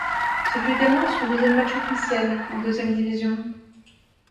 Ce fut également son premier match officiel en Deuxième division.